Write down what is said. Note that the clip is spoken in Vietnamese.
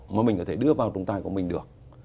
mà mình có thể đưa vào trọng tài của mình được